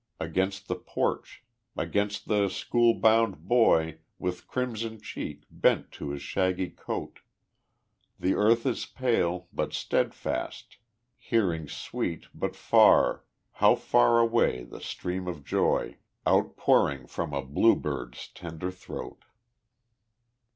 Against the porch, against the school bound boy With crimson cheek bent to his shaggy coat. The earth is pale but steadfast, hearing sweet But far how far away! the stream of joy Outpouring from a bluebird's tender throat.